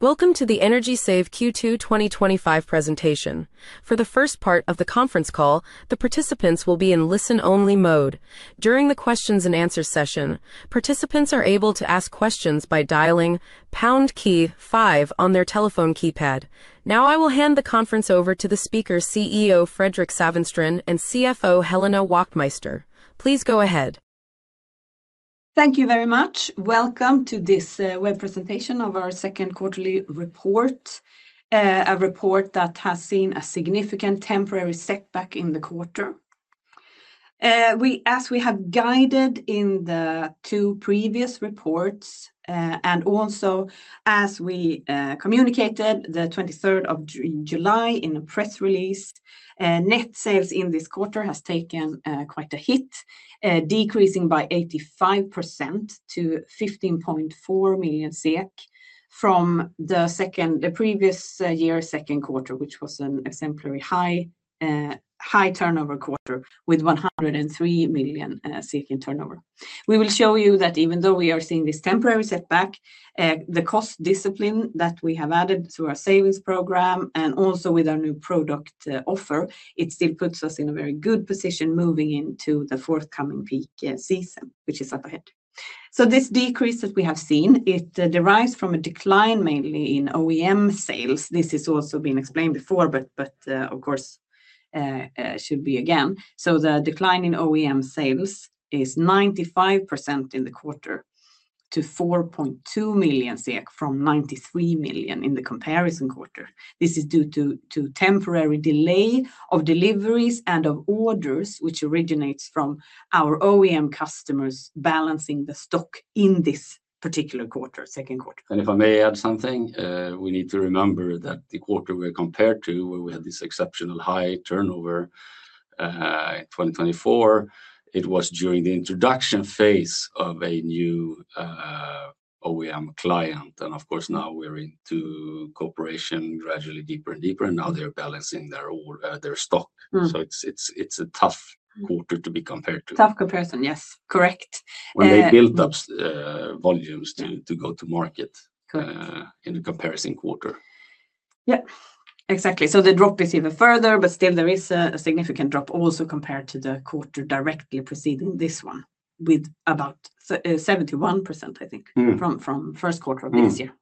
Welcome to the Energy Save Q2 2025 Presentation. For the first part of the conference call, the participants will be in listen-only mode. During the questions and answers session, participants are able to ask questions by dialing pound key five on their telephone keypad. Now, I will hand the conference over to the speakers, CEO Fredrik Sävenstrand and CFO Helena Wachtmeister. Please go ahead. Thank you very much. Welcome to this web presentation of our second quarterly report, a report that has seen a significant temporary setback in the quarter. As we have guided in the two previous reports, and also as we communicated the 23rd of July in a press release, net sales in this quarter have taken quite a hit, decreasing by 85% to 15.4 million SEK from the previous year's second quarter, which was an exemplary high-turnover quarter with 103 million in turnover. We will show you that even though we are seeing this temporary setback, the cost discipline that we have added to our cost savings program and also with our new product offer, it still puts us in a very good position moving into the forthcoming peak season, which is up ahead. This decrease that we have seen derives from a decline mainly in OEM sales. This has also been explained before, but of course should be again. The decline in OEM sales is 95% in the quarter to 4.2 million SEK from 93 million in the comparison quarter. This is due to a temporary delay of deliveries and of orders, which originates from our OEM customers balancing the stock in this particular quarter, second quarter. If I may add something, we need to remember that the quarter we compared to, where we had this exceptional high turnover in 2024, was during the introduction phase of a new OEM client. Of course, now we're into cooperation gradually deeper and deeper, and now they're balancing their stock. It's a tough quarter to be compared to. Tough comparison, yes, correct. They built up volumes to go to market in the comparison quarter. Yep, exactly. They dropped this even further, but still there is a significant drop also compared to the quarter directly preceding this one with about 71% from the first quarter of this year.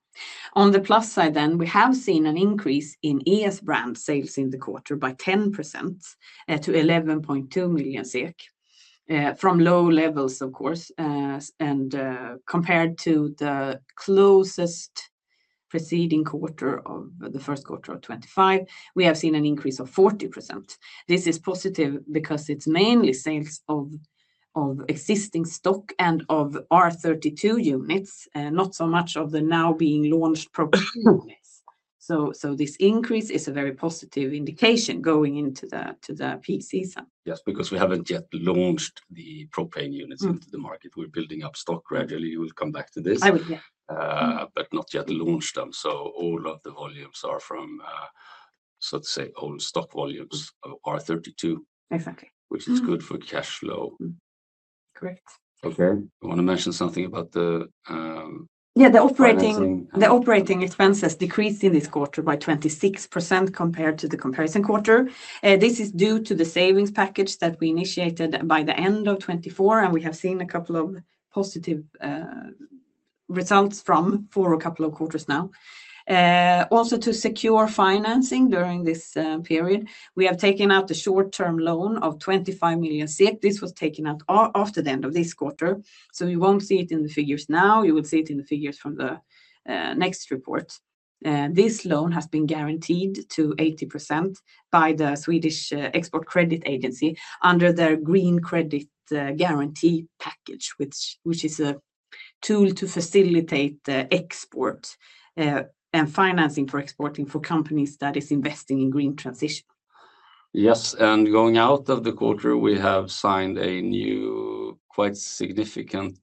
On the plus side, we have seen an increase in ES brand sales in the quarter by 10% to 11.2 million SEK from low levels, of course. Compared to the closest preceding quarter of the first quarter of 2025, we have seen an increase of 40%. This is positive because it's mainly sales of existing stock and of R32 units, not so much of the now being launched propane units. This increase is a very positive indication going into the peak season. Yes, because we haven't yet launched the propane units into the market. We're building up stock gradually. We'll come back to this. I will, yes. Not yet launched them, all of the volumes are from, so to say, all stock volumes of R32. Exactly. Which is good for cash flow. Great. Okay. You want to mention something about the... Yeah, the operating expenses decreased in this quarter by 26% compared to the comparison quarter. This is due to the cost savings program that we initiated by the end of 2024, and we have seen a couple of positive results from it for a couple of quarters now. Also, to secure financing during this period, we have taken out a short-term loan of 25 million SEK. This was taken out after the end of this quarter. You won't see it in the figures now. You will see it in the figures from the next report. This loan has been guaranteed to 80% by the Swedish Export Credit Agency under their Green Credit Guarantee package, which is a tool to facilitate export and financing for companies that are investing in green transition. Yes, and going out of the quarter, we have signed a new, quite significant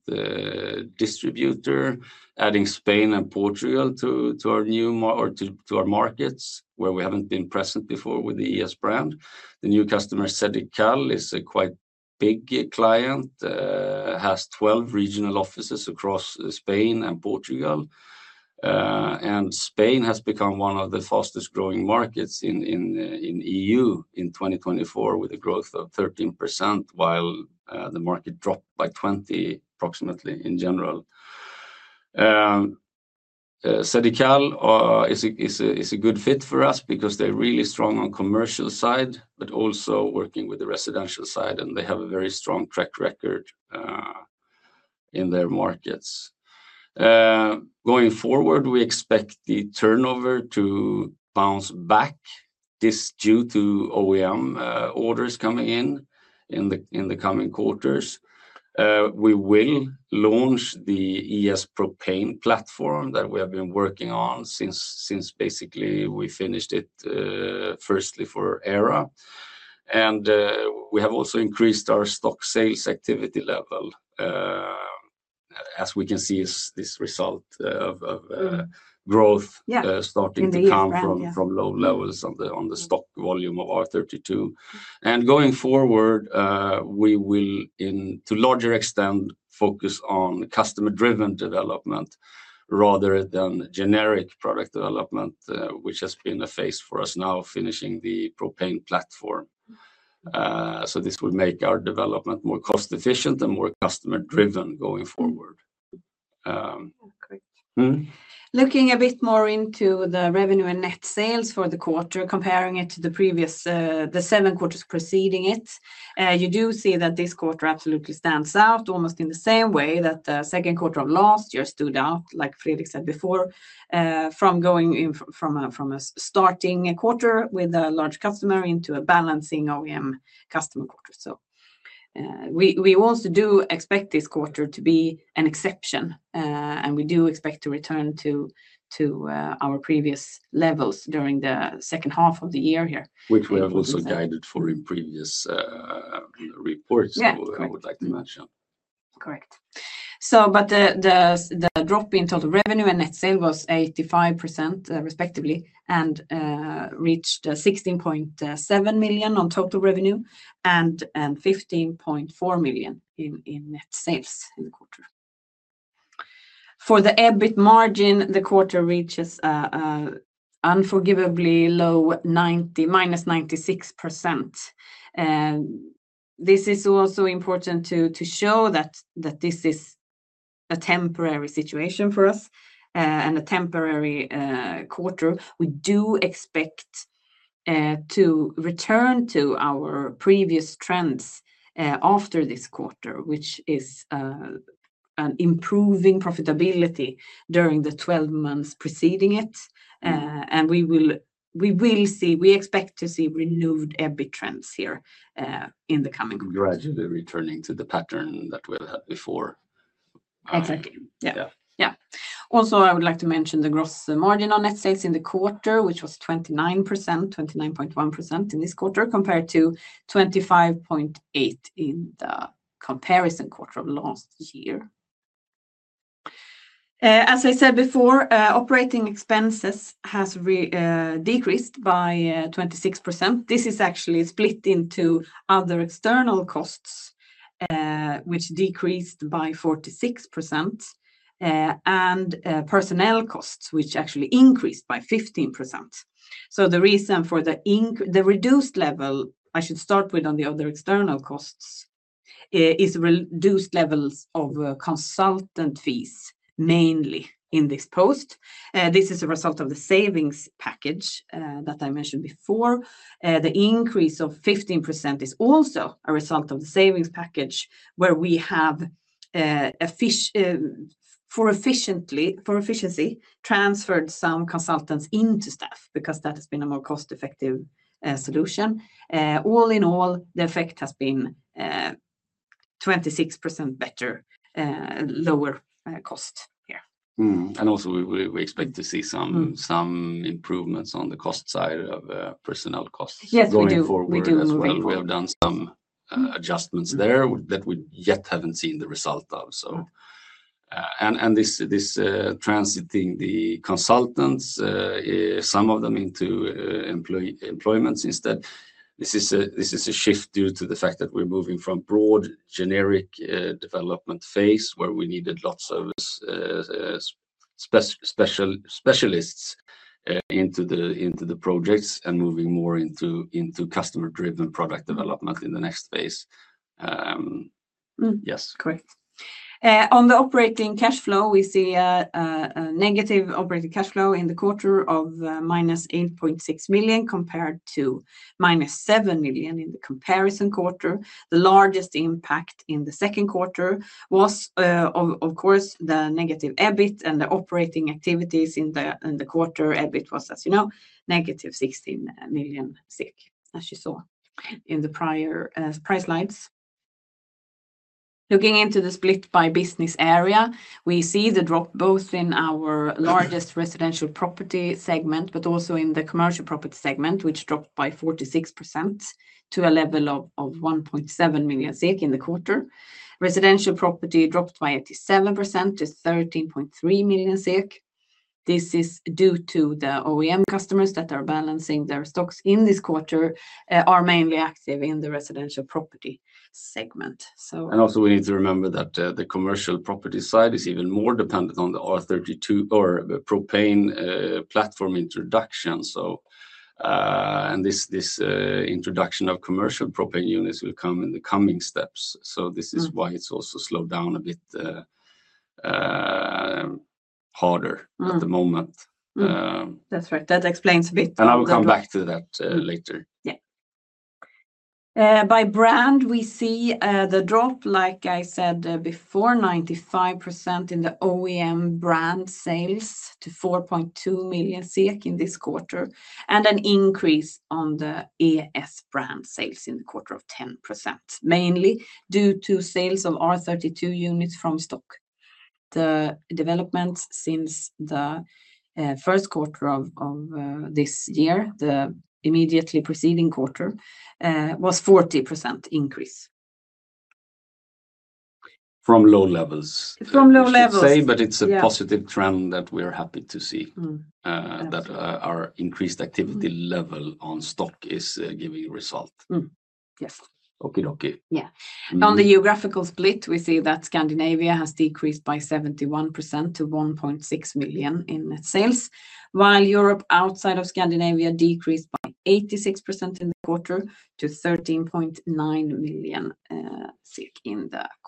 distributor adding Spain and Portugal to our markets where we haven't been present before with the ES brand. The new customer, Sedical, is a quite big client, has 12 regional offices across Spain and Portugal. Spain has become one of the fastest growing markets in the EU in 2024 with a growth of 13% while the market dropped by 20% approximately in general. Sedical is a good fit for us because they're really strong on the commercial side, but also working with the residential side, and they have a very strong track record in their markets. Going forward, we expect the turnover to bounce back. This is due to OEM orders coming in in the coming quarters. We will launch the ES propane platform that we have been working on since basically we finished it firstly for ERA. We have also increased our stock sales activity level. As we can see, this result of growth starting to come from low levels on the stock volume of R32. Going forward, we will, to a larger extent, focus on customer-driven development rather than generic product development, which has been a phase for us now finishing the propane platform. This will make our development more cost-efficient and more customer-driven going forward. Looking a bit more into the revenue and net sales for the quarter, comparing it to the previous, the seven quarters preceding it, you do see that this quarter absolutely stands out almost in the same way that the second quarter of last year stood out, like Fredrik said before, from going from a starting quarter with a large customer into a balancing OEM customer quarter. We also do expect this quarter to be an exception, and we do expect to return to our previous levels during the second half of the year here. Which we have also guided for in previous reports, I would like to mention. Correct. The drop in total revenue and net sales was 85% respectively and reached 16.7 million on total revenue and 15.4 million in net sales in the quarter. For the EBIT margin, the quarter reaches an unforgivably low minus 96%. This is also important to show that this is a temporary situation for us and a temporary quarter. We do expect to return to our previous trends after this quarter, which is an improving profitability during the 12 months preceding it. We expect to see renewed EBIT trends here in the coming quarter. Gradually returning to the pattern that we've had before. Exactly, yeah. Also, I would like to mention the gross margin on net sales in the quarter, which was 29.1% in this quarter compared to 25.8% in the comparison quarter of last year. As I said before, operating expenses have decreased by 26%. This is actually split into other external costs, which decreased by 46%, and personnel costs, which actually increased by 15%. The reason for the reduced level, I should start with on the other external costs, is reduced levels of consultant fees mainly in this post. This is a result of the savings package that I mentioned before. The increase of 15% is also a result of the savings package where we have for efficiency transferred some consultants into staff because that has been a more cost-effective solution. All in all, the effect has been 26% better, lower cost here. We expect to see some improvements on the cost side of personnel costs going forward. We have done some adjustments there that we yet haven't seen the result of. This transiting the consultants, some of them into employments instead, is a shift due to the fact that we're moving from a broad generic development phase where we needed lots of specialists into the projects and moving more into customer-driven product development in the next phase. Yes. Correct. On the operating cash flow, we see a negative operating cash flow in the quarter of -8.6 million compared to -7 million in the comparison quarter. The largest impact in the second quarter was, of course, the negative EBIT and the operating activities in the quarter. EBIT was, as you know, -16 million, as you saw in the prior slides. Looking into the split by business area, we see the drop both in our largest residential property segment, but also in the commercial property segment, which dropped by 46% to a level of 1.7 million SEK in the quarter. Residential property dropped by 87% to 13.3 million SEK. This is due to the OEM customers that are balancing their stocks in this quarter and are mainly active in the residential property segment. We need to remember that the commercial property side is even more dependent on the R32 unit or the propane platform introduction. This introduction of commercial propane units will come in the coming steps, which is why it's also slowed down a bit harder at the moment. That's right. That explains a bit more. I will come back to that later. By brand, we see the drop, like I said before, 95% in the OEM brand sales to 4.2 million SEK in this quarter, and an increase on the ES brand sales in the quarter of 10%, mainly due to sales of R32 units from stock. The development since the first quarter of this year, the immediately preceding quarter, was a 40% increase. From low levels. From low levels. I would say it's a positive trend that we are happy to see that our increased activity level on stock is giving a result. Yes. Okey dokey. Yeah. On the geographical split, we see that Scandinavia has decreased by 71% to 1.6 million in net sales, while Europe outside of Scandinavia decreased by 86% in the quarter to 13.9 million in the quarter.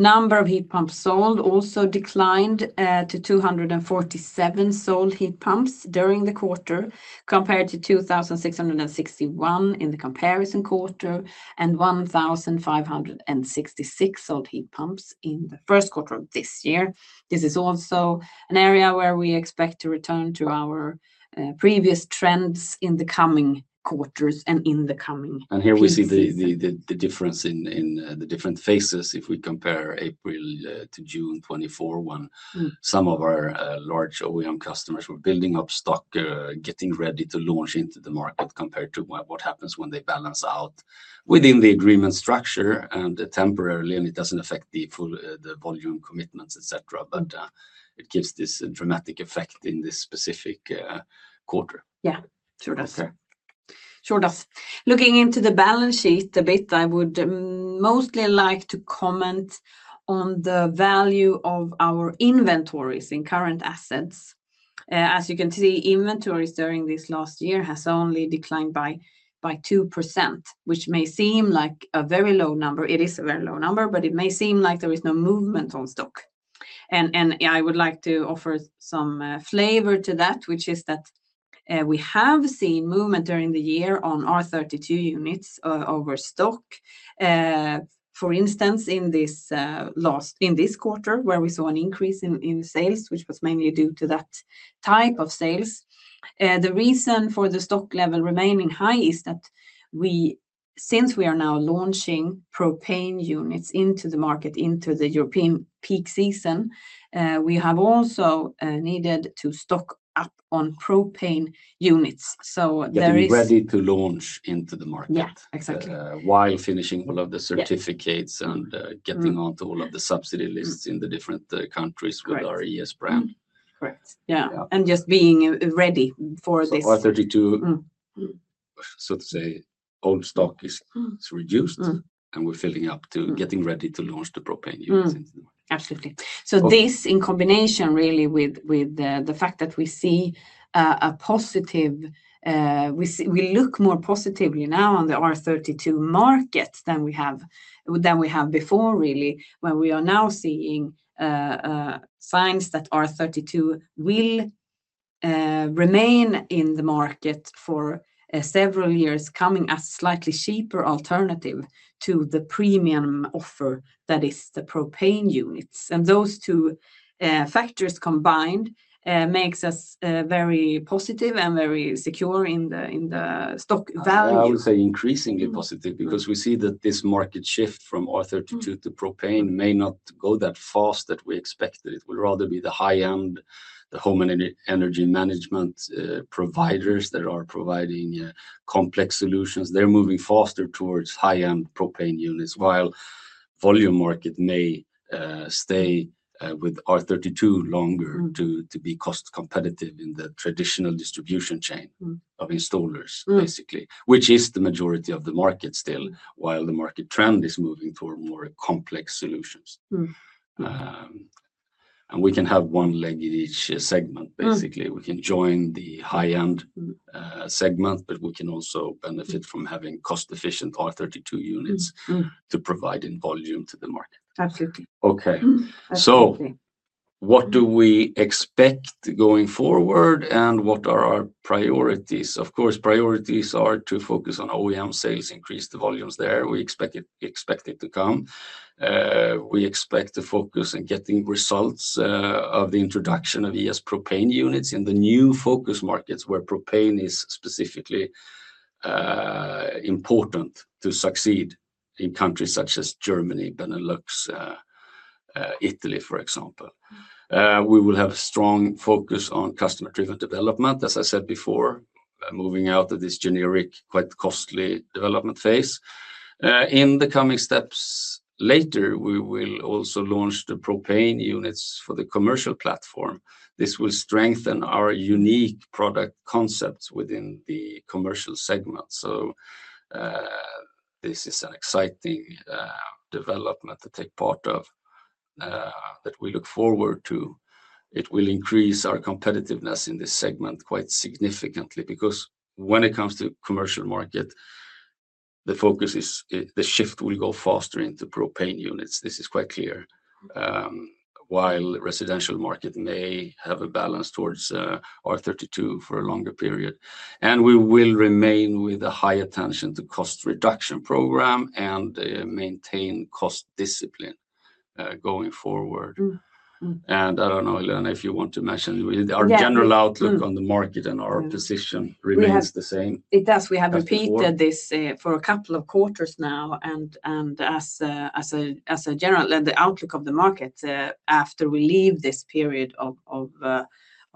Number of heat pumps sold also declined to 247 sold heat pumps during the quarter compared to 2,661 in the comparison quarter and 1,566 sold heat pumps in the first quarter of this year. This is also an area where we expect to return to our previous trends in the coming quarters and in the coming quarter. Here we see the difference in the different phases if we compare April to June 2024, when some of our large OEM customers were building up stock, getting ready to launch into the market compared to what happens when they balance out within the agreement structure and temporarily, and it doesn't affect the volume commitments, etc. It gives this dramatic effect in this specific quarter. Yeah, sure does. Looking into the balance sheet a bit, I would mostly like to comment on the value of our inventories in current assets. As you can see, inventories during this last year have only declined by 2%, which may seem like a very low number. It is a very low number, but it may seem like there is no movement on stock. I would like to offer some flavor to that, which is that we have seen movement during the year on R32 units over stock. For instance, in this last quarter where we saw an increase in sales, which was mainly due to that type of sales, the reason for the stock level remaining high is that since we are now launching propane units into the market into the European peak season, we have also needed to stock up on propane units. To be ready to launch into the market. Yeah, exactly. While finishing all of the certificates and getting onto all of the subsidy lists in the different countries with our ES brand. Correct, yeah, just being ready for this. R32, so to say, old stock is reduced, and we're filling up to getting ready to launch the propane units. Absolutely. This, in combination with the fact that we see a positive, we look more positively now on the R32 market than we have before, where we are now seeing signs that R32 will remain in the market for several years coming as a slightly cheaper alternative to the premium offer that is the propane units. Those two factors combined make us very positive and very secure in the stock value. I would say increasingly positive because we see that this market shift from R32 to propane may not go that fast that we expected. It will rather be the high-end, the home energy management providers that are providing complex solutions. They're moving faster towards high-end propane units, while the volume market may stay with R32 longer to be cost-competitive in the traditional distribution chain of installers, which is the majority of the market still, while the market trend is moving toward more complex solutions. We can have one leg in each segment. We can join the high-end segment, but we can also benefit from having cost-efficient R32 units to provide in volume to the market. Absolutely. Okay. What do we expect going forward and what are our priorities? Of course, priorities are to focus on OEM sales, increase the volumes there. We expect it to come. We expect to focus on getting results of the introduction of ES propane units in the new focus markets where propane is specifically important to succeed in countries such as Germany, Benelux, Italy, for example. We will have a strong focus on customer-driven development, as I said before, moving out of this generic, quite costly development phase. In the coming steps later, we will also launch the propane units for the commercial platform. This will strengthen our unique product concepts within the commercial segment. This is an exciting development to take part of that we look forward to. It will increase our competitiveness in this segment quite significantly because when it comes to the commercial market, the focus is the shift will go faster into propane units. This is quite clear, while the residential market may have a balance towards R32 for a longer period. We will remain with a high attention to the cost reduction program and maintain cost discipline going forward. I don't know, Helena, if you want to mention our general outlook on the market and our position remains the same. It does. We have repeated this for a couple of quarters now. As a general, the outlook of the market after we leave this period of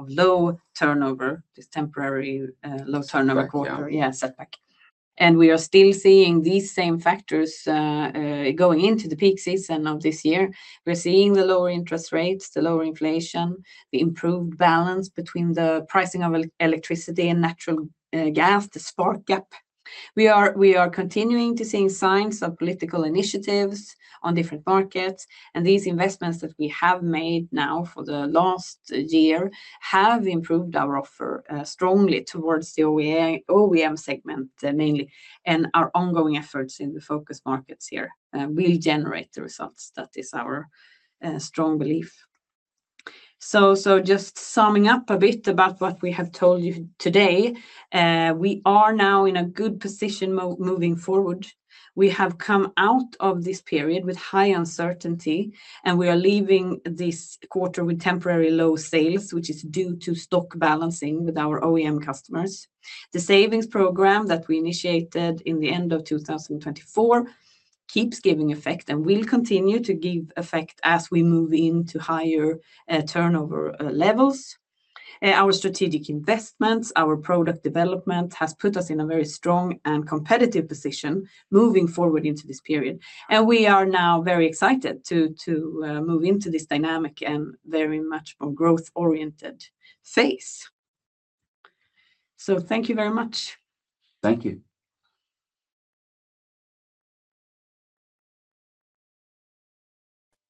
low turnover, this temporary low turnover quarter, setback. We are still seeing these same factors going into the peak season of this year. We're seeing the lower interest rates, the lower inflation, the improved balance between the pricing of electricity and natural gas, the spark gap. We are continuing to see signs of political initiatives on different markets. These investments that we have made now for the last year have improved our offer strongly towards the OEM segment mainly. Our ongoing efforts in the focus markets here will generate the results. That is our strong belief. Just summing up a bit about what we have told you today, we are now in a good position moving forward. We have come out of this period with high uncertainty, and we are leaving this quarter with temporary low sales, which is due to stock balancing with our OEM customers. The cost savings program that we initiated in the end of 2024 keeps giving effect and will continue to give effect as we move into higher turnover levels. Our strategic investments, our product development has put us in a very strong and competitive position moving forward into this period. We are now very excited to move into this dynamic and very much more growth-oriented phase. Thank you very much. Thank you.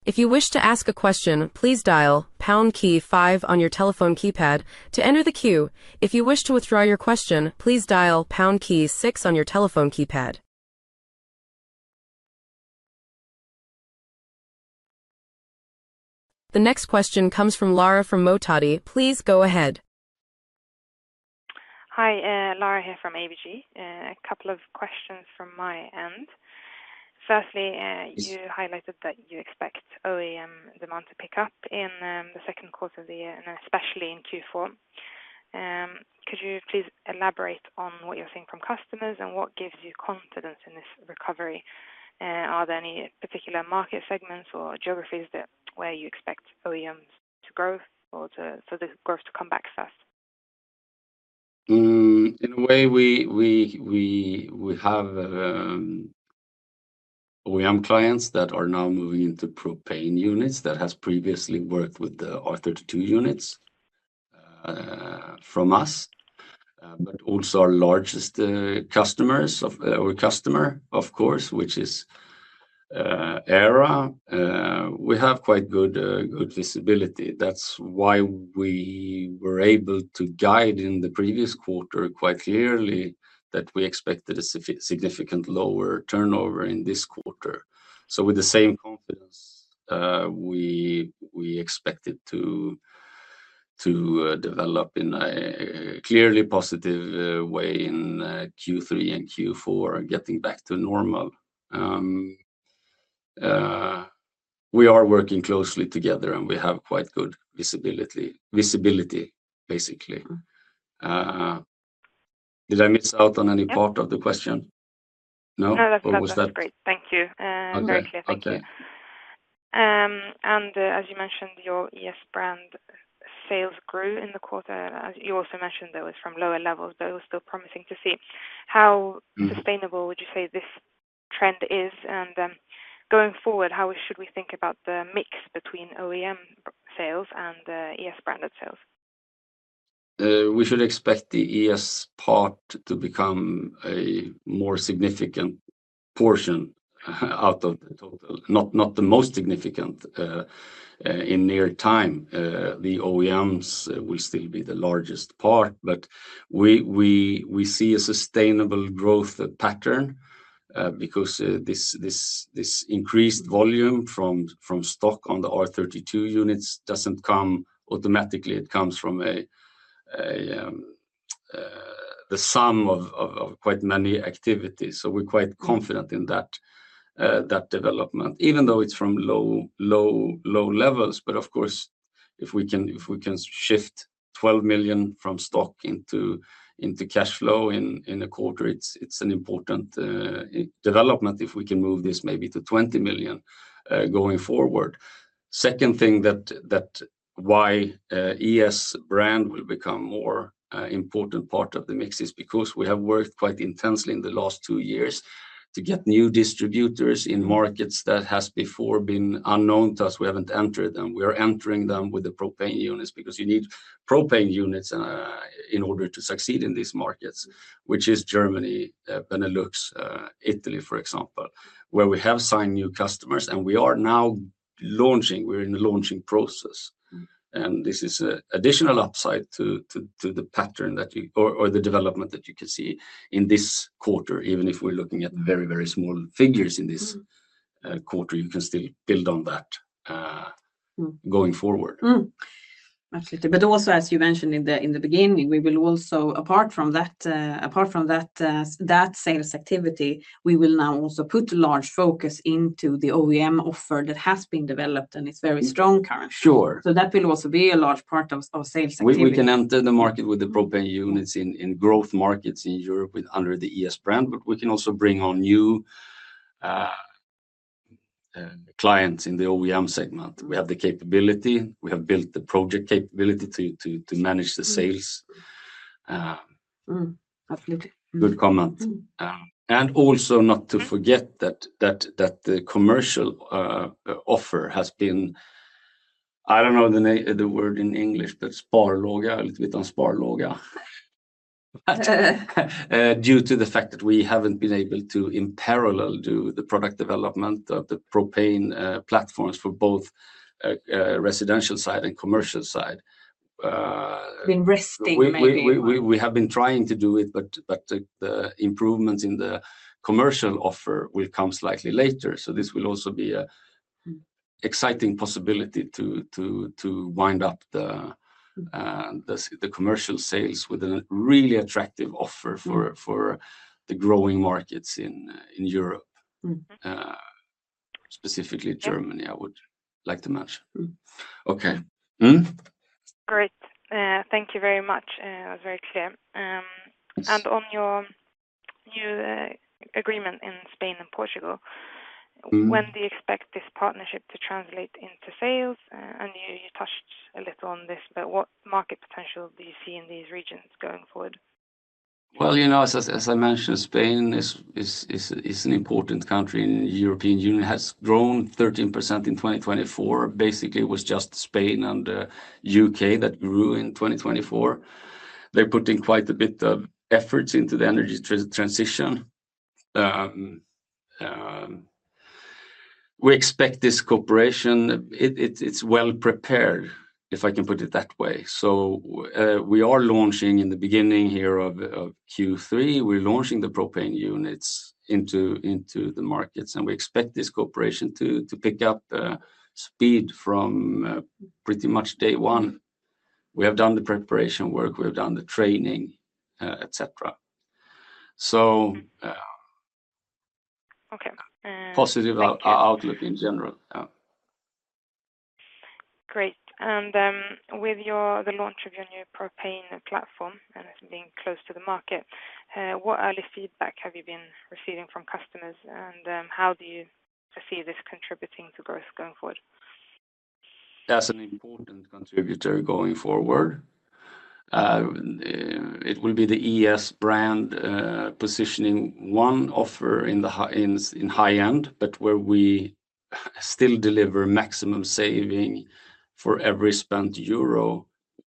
If you wish to ask a question, please dial pound key five on your telephone keypad to enter the queue. If you wish to withdraw your question, please dial pound key six on your telephone keypad. The next question comes from Lara Mohtadi. Please go ahead. Hi, Lara here from ABG. A couple of questions from my end. Firstly, you highlighted that you expect OEM demand to pick up in the second quarter of the year and especially in Q4. Could you please elaborate on what you're seeing from customers and what gives you confidence in this recovery? Are there any particular market segments or geographies where you expect OEMs to grow or for the growth to come back first? In a way, we have OEM clients that are now moving into propane units that have previously worked with the R32 units from us, but also our largest customer, of course, which is ERA. We have quite good visibility. That's why we were able to guide in the previous quarter quite clearly that we expected a significantly lower turnover in this quarter. With the same confidence, we expect to develop in a clearly positive way in Q3 and Q4, getting back to normal. We are working closely together and we have quite good visibility, basically. Did I miss out on any part of the question? No, that's great. Thank you. Very clear. Thank you. As you mentioned, your ES brand sales grew in the quarter. You also mentioned there was from lower levels, but it was still promising to see. How sustainable would you say this trend is? Going forward, how should we think about the mix between OEM sales and ES branded sales? We should expect the ES part to become a more significant portion out of the total, not the most significant. In near time, the OEMs will still be the largest part, but we see a sustainable growth pattern because this increased volume from stock on the R32 units doesn't come automatically. It comes from the sum of quite many activities. We're quite confident in that development, even though it's from low levels. If we can shift 12 million from stock into cash flow in a quarter, it's an important development if we can move this maybe to 20 million going forward. The second thing, that why ES brand will become a more important part of the mix is because we have worked quite intensely in the last two years to get new distributors in markets that have before been unknown to us. We haven't entered them. We are entering them with the propane units because you need propane units in order to succeed in these markets, which is Germany, Benelux, Italy, for example, where we have signed new customers and we are now launching. We're in the launching process. This is an additional upside to the pattern that you or the development that you can see in this quarter. Even if we're looking at very, very small figures in this quarter, you can still build on that going forward. Absolutely. As you mentioned in the beginning, we will also, apart from that sales activity, now put a large focus into the OEM offer that has been developed and is very strong currently. Sure. That will also be a large part of sales activity. We can enter the market with the propane units in growth markets in Europe under the ES brand, but we can also bring on new clients in the OEM segment. We have the capability. We have built the project capability to manage the sales. Absolutely. Good comment. Also, not to forget that the commercial offer has been, I don't know the word in English, but spar-loga, a little bit on spar-loga, due to the fact that we haven't been able to in parallel do the product development of the propane platforms for both residential side and commercial side. Been risky. We have been trying to do it, but the improvements in the commercial offer will come slightly later. This will also be an exciting possibility to wind up the commercial sales with a really attractive offer for the growing markets in Europe, specifically Germany, I would like to mention. Okay. Great. Thank you very much. It was very clear. On your new agreement in Spain and Portugal, when do you expect this partnership to translate into sales? You touched a little on this, but what market potential do you see in these regions going forward? As I mentioned, Spain is an important country in the European Union. It has grown 13% in 2024. Basically, it was just Spain and the U.K. that grew in 2024. They're putting quite a bit of efforts into the energy transition. We expect this cooperation. It's well-prepared, if I can put it that way. We are launching in the beginning here of Q3. We're launching the propane units into the markets, and we expect this cooperation to pick up speed from pretty much day one. We have done the preparation work. We have done the training, etc. Positive outlook in general. Great. With the launch of your new propane platform and being close to the market, what early feedback have you been receiving from customers? How do you foresee this contributing to growth going forward? That's an important contributor going forward. It will be the ES brand positioning one offer in high end, but where we still deliver maximum saving for every spent euro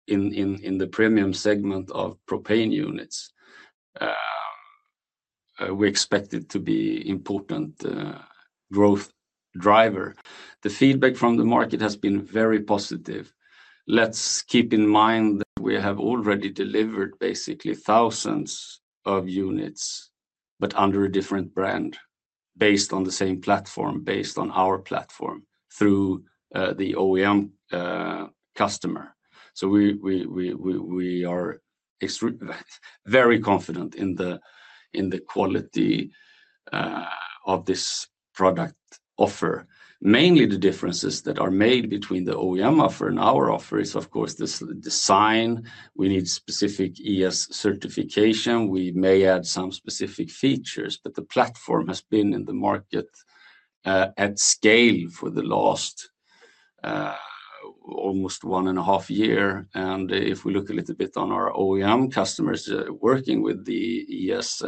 in the premium segment of propane units. We expect it to be an important growth driver. The feedback from the market has been very positive. Let's keep in mind that we have already delivered basically thousands of units, but under a different brand, based on the same platform, based on our platform through the OEM customer. We are very confident in the quality of this product offer. Mainly, the differences that are made between the OEM offer and our offer is, of course, the design. We need specific ES certification. We may add some specific features, but the platform has been in the market at scale for the last almost one and a half years. If we look a little bit on our OEM customers working with the ES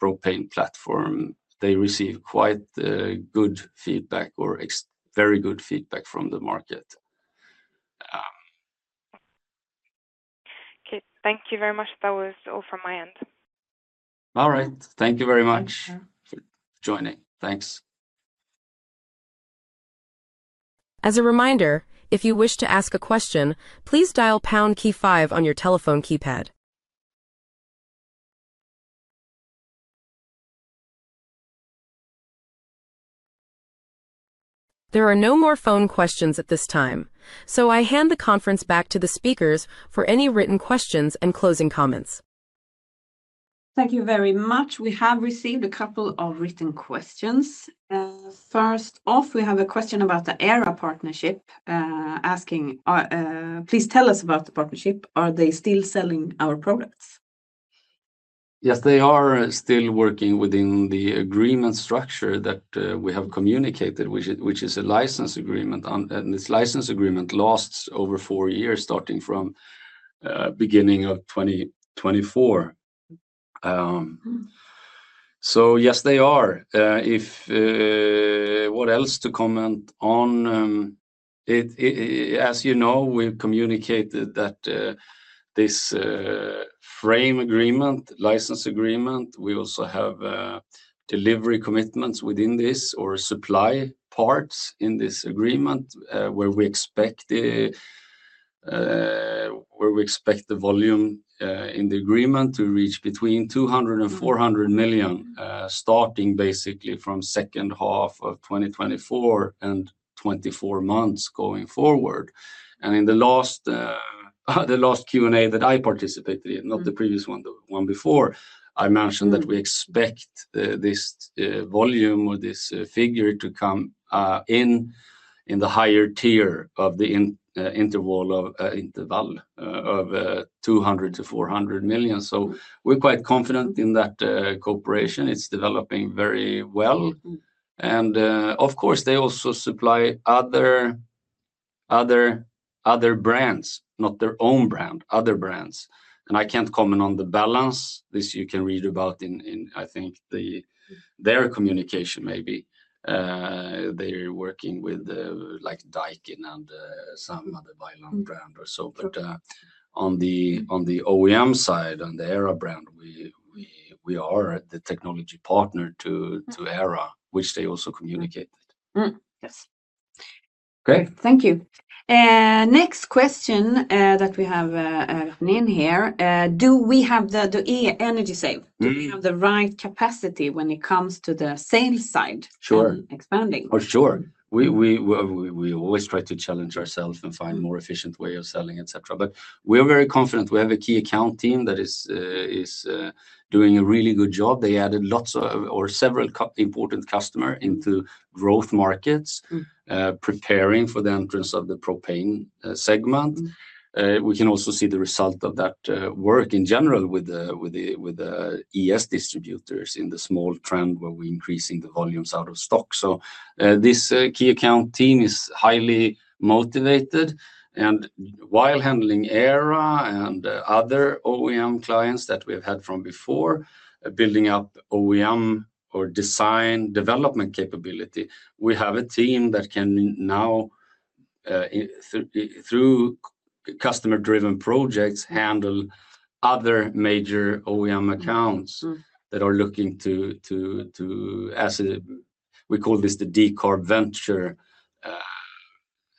propane platform, they receive quite good feedback or very good feedback from the market. Okay, thank you very much. That was all from my end. All right. Thank you very much for joining. Thank you. As a reminder, if you wish to ask a question, please dial pound key five on your telephone keypad. There are no more phone questions at this time. I hand the conference back to the speakers for any written questions and closing comments. Thank you very much. We have received a couple of written questions. First off, we have a question about the ERA partnership, asking, please tell us about the partnership. Are they still selling our products? Yes, they are still working within the agreement structure that we have communicated, which is a license agreement. This license agreement lasts over four years, starting from the beginning of 2024. Yes, they are. What else to comment on? As you know, we've communicated that this frame agreement, license agreement, we also have delivery commitments within this or supply parts in this agreement where we expect the volume in the agreement to reach between 200 million and 400 million, starting basically from the second half of 2024 and 24 months going forward. In the last Q&A that I participated in, not the previous one, the one before, I mentioned that we expect this volume or this figure to come in in the higher tier of the interval of 200 million to 400 million. We're quite confident in that cooperation. It's developing very well. Of course, they also supply other brands, not their own brand, other brands. I can't comment on the balance. This you can read about in, I think, their communication maybe. They're working with like Daikin and some other bilingual brand or so. On the OEM side and the ERA brand, we are the technology partner to ERA, which they also communicate. Yes. Okay. Thank you. Next question that we have written in here. Do we have the Energy Save? Do we have the right capacity when it comes to the sales side? Sure. Expanding? Oh, sure. We always try to challenge ourselves and find more efficient ways of selling, etc. We are very confident. We have a key account team that is doing a really good job. They added several important customers into growth markets, preparing for the entrance of the propane segment. We can also see the result of that work in general with the ES distributors in the small trend where we're increasing the volumes out of stock. This key account team is highly motivated. While handling ERA and other OEM clients that we've had from before, building up OEM or design development capability, we have a team that can now, through customer-driven projects, handle other major OEM accounts that are looking to, as we call this, the decarb venture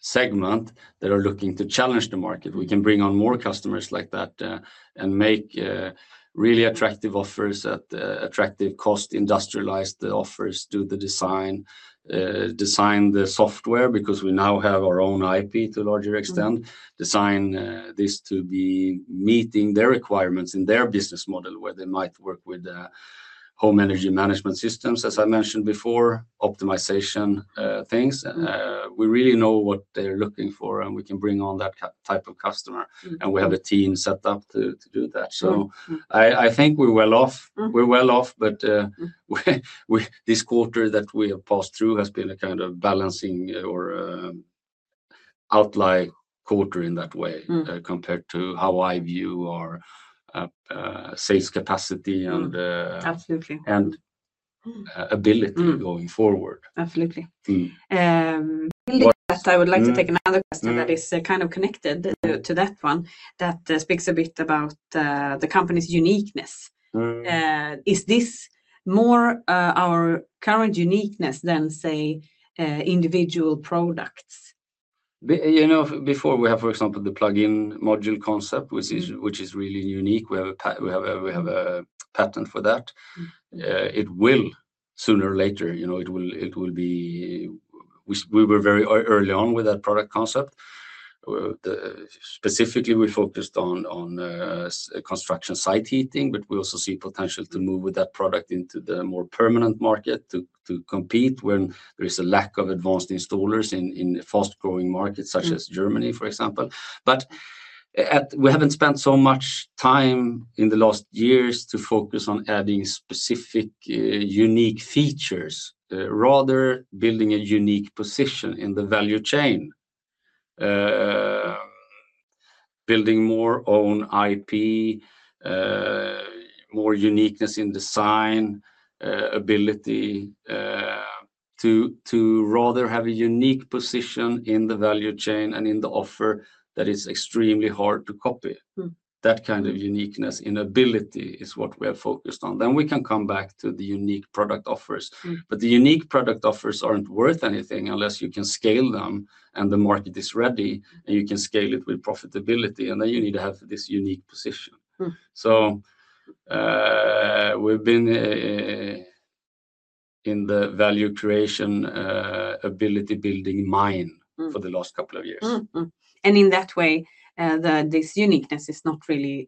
segment that are looking to challenge the market. We can bring on more customers like that and make really attractive offers at attractive cost, industrialized offers, do the design, design the software because we now have our own IP to a larger extent, design this to be meeting their requirements in their business model where they might work with home energy management systems, as I mentioned before, optimization things. We really know what they're looking for and we can bring on that type of customer. We have a team set up to do that. I think we're well off. We're well off, but this quarter that we have passed through has been a kind of balancing or outlier quarter in that way compared to how I view our sales capacity and ability going forward. Absolutely. I would like to take another question that is kind of connected to that one, that speaks a bit about the company's uniqueness. Is this more our current uniqueness than, say, individual products? You know, before we have, for example, the plug-in module concept, which is really unique. We have a patent for that. It will sooner or later, you know, it will be. We were very early on with that product concept. Specifically, we focused on construction site heating, but we also see potential to move with that product into the more permanent market to compete when there is a lack of advanced installers in fast-growing markets such as Germany, for example. We haven't spent so much time in the last years to focus on adding specific unique features, rather building a unique position in the value chain, building more own IP, more uniqueness in design, ability to rather have a unique position in the value chain and in the offer that is extremely hard to copy. That kind of uniqueness in ability is what we are focused on. We can come back to the unique product offers. The unique product offers aren't worth anything unless you can scale them and the market is ready and you can scale it with profitability. You need to have this unique position. We've been in the value creation ability-building mine for the last couple of years. This uniqueness is not really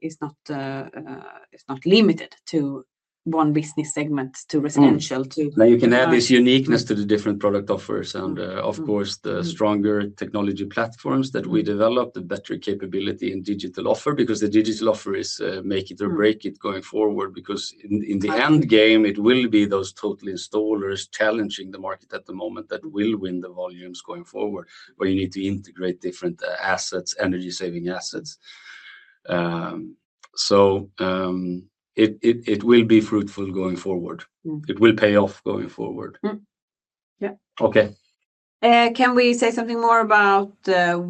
limited to one business segment, to residential, to. You can add this uniqueness to the different product offers. Of course, the stronger technology platforms that we develop, the better capability in digital offer, because the digital offer is make it or break it going forward. In the end game, it will be those total installers challenging the market at the moment that will win the volumes going forward, where you need to integrate different assets, energy-saving assets. It will be fruitful going forward. It will pay off going forward. Yeah. Okay. Can we say something more about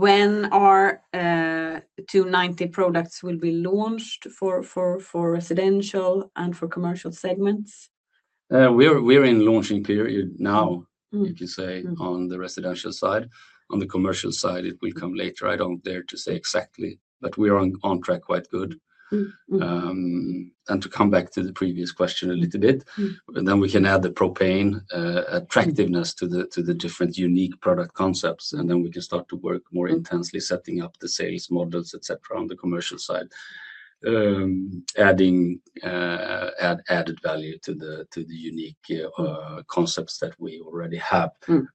when our 290 products will be launched for residential and for commercial segments? We're in the launching period now, if you say, on the residential side. On the commercial side, it will come later. I don't dare to say exactly, but we're on track quite good. To come back to the previous question a little bit, we can add the propane attractiveness to the different unique product concepts. We can start to work more intensely setting up the sales models, etc., on the commercial side, adding added value to the unique concepts that we already have.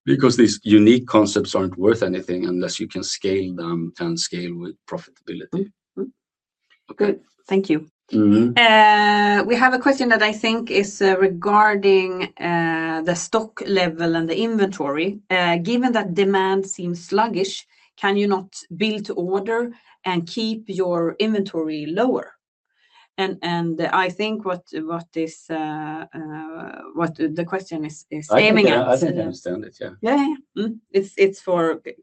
These unique concepts aren't worth anything unless you can scale them and scale with profitability. Good. Thank you. We have a question that I think is regarding the stock level and the inventory. Given that demand seems sluggish, can you not build to order and keep your inventory lower? I think what the question is aiming at. I understand it, yeah. Yeah.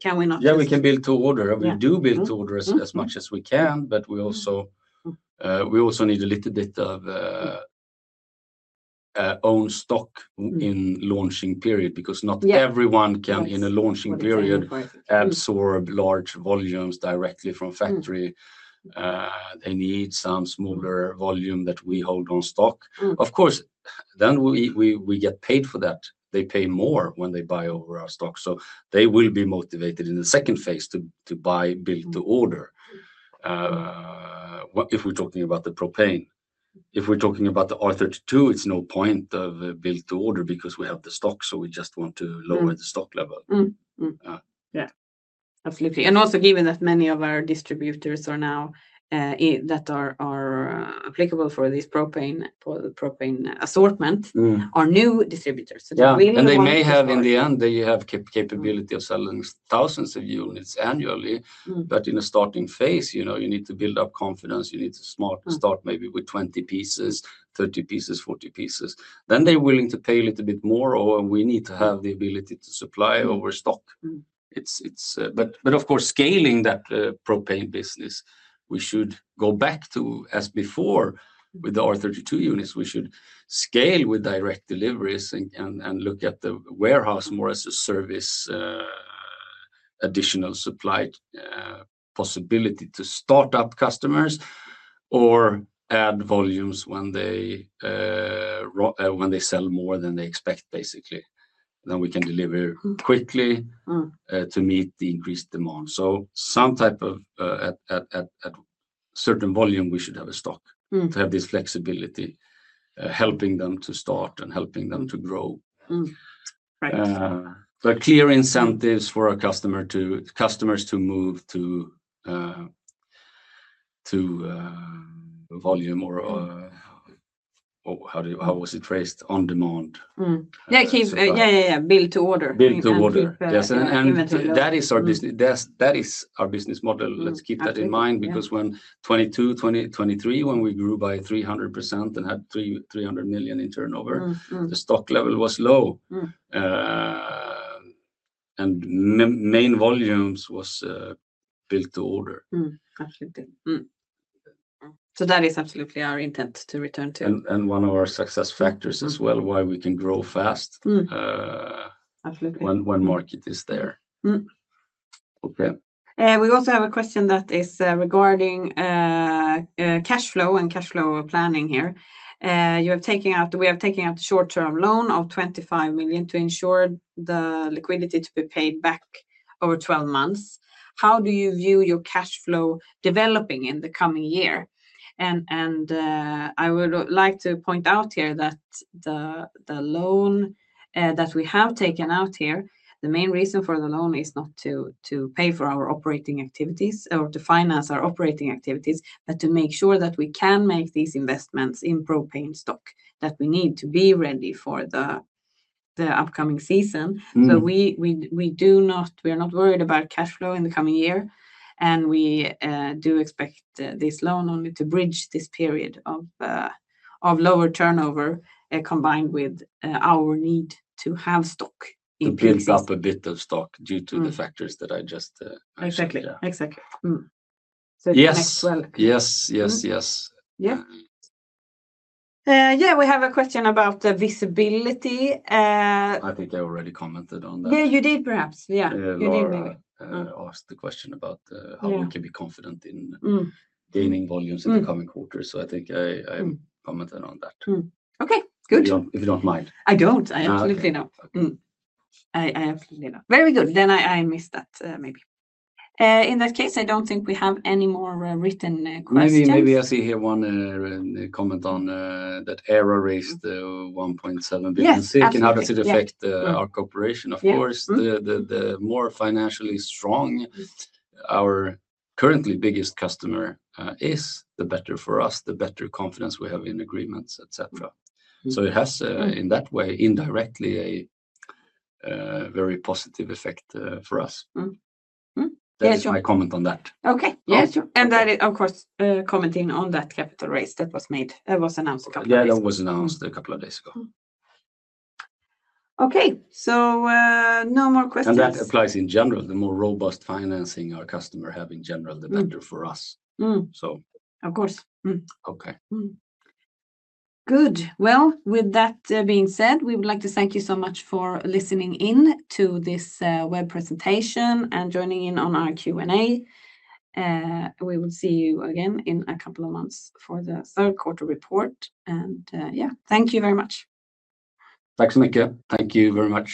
Can we not. Yeah, we can build to order. We do build to order as much as we can, but we also need a little bit of own stock in the launching period because not everyone can in a launching period absorb large volumes directly from factory. They need some smaller volume that we hold on stock. Of course, we get paid for that. They pay more when they buy over our stock. They will be motivated in the second phase to buy build to order if we're talking about the propane. If we're talking about the R32, it's no point to build to order because we have the stock. We just want to lower the stock level. Absolutely. Given that many of our distributors that are applicable for this propane assortment are new distributors. They may have, in the end, the capability of selling thousands of units annually. In a starting phase, you need to build up confidence. You need to start maybe with 20 pieces, 30 pieces, 40 pieces. They're willing to pay a little bit more, or we need to have the ability to supply over stock. Of course, scaling that propane business, we should go back to as before with the R32 units. We should scale with direct deliveries and look at the warehouse more as a service, an additional supply possibility to start up customers or add volumes when they sell more than they expect, basically. We can deliver quickly to meet the increased demand. At a certain volume, we should have a stock to have this flexibility, helping them to start and helping them to grow. Right. are clear incentives for our customers to move to volume, or how was it phrased? On demand. Yeah, build to order. Build to order. Yes, that is our business model. Let's keep that in mind because in 2022, 2023, when we grew by 300% and had 300 million in turnover, the stock level was low and main volumes was built to order. Absolutely, that is absolutely our intent to return to. One of our success factors as well is why we can grow fast. Absolutely. When market is there. We also have a question that is regarding cash flow and cash flow planning here. You have taken out, we have taken out a short-term loan of 25 million to ensure the liquidity to be paid back over 12 months. How do you view your cash flow developing in the coming year? I would like to point out here that the loan that we have taken out here, the main reason for the loan is not to pay for our operating activities or to finance our operating activities, but to make sure that we can make these investments in propane stock that we need to be ready for the upcoming season. We do not, we are not worried about cash flow in the coming year. We do expect this loan only to bridge this period of lower turnover combined with our need to have stock. To build up a bit of stock due to the factors that I just mentioned. Exactly, exactly. Yes. Yes, yes, yes. Yeah, we have a question about visibility. I think I already commented on that. You did, maybe. I asked the question about how we can be confident in gaining volumes in the coming quarters. I think I commented on that. Okay, good. If you don't mind. I absolutely know. Very good. In that case, I don't think we have any more written questions. Maybe I see here one comment on that ERA raised 1.7 billion. Now, does it affect our cooperation? Of course, the more financially strong our currently biggest customer is, the better for us, the better confidence we have in agreements, etc. It has in that way indirectly a very positive effect for us. Yeah, true. I comment on that. Okay, yeah, true. That is, of course, commenting on that capital raise that was made. That was announced a couple of days ago. Yeah, that was announced a couple of days ago. Okay, so no more questions. That applies in general. The more robust financing our customers have in general, the better for us. Of course. Okay. Good. With that being said, we would like to thank you so much for listening in to this web presentation and joining in on our Q&A. We will see you again in a couple of months for the third quarter report. Thank you very much. Thank you very much.